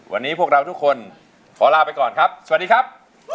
วันนี้พวกเราทุกคนขอลาไปก่อนครับสวัสดีครับ